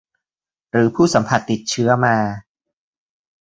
หรือสัมผัสผู้ติดเชื้อมา